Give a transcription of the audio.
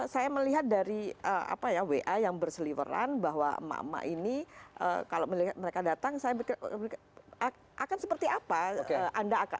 saya melihat dari wa yang berseliveran bahwa mama ini kalau mereka datang akan seperti apa